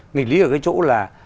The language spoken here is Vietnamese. nghịch lý ở cái chỗ là